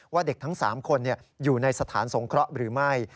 เด็กทั้ง๓คนอยู่ในสถานสงเคราะห์หรือไม่